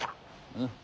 うん。